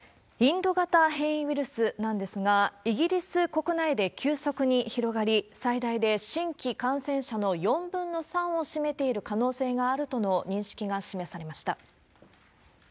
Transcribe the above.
続いて、インド型変異ウイルスなんですが、イギリス国内で急速に広がり、最大で新規感染者の４分の３を占めている可能性があるとの認識が示されました。